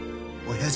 親父？